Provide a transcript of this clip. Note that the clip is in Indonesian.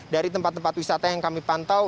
dari tempat tempat wisata yang kami pantau